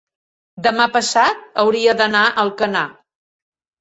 demà passat hauria d'anar a Alcanar.